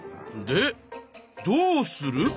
でどうする？